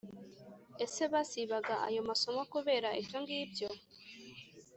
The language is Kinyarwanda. ese basibaga ayo masomo kubera ibyo ngibyo.